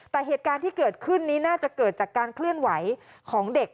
แต่เหตุการณ์ที่เกิดขึ้นนี้น่าจะเกิดจากการเคลื่อนไหวของเด็ก